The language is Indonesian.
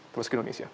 terus ke indonesia